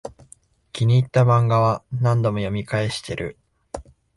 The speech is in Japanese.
気に入ったマンガは何度も読み返してる